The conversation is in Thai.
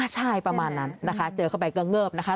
ใช่ประมาณนั้นนะคะเจอเข้าไปก็เงิบนะคะ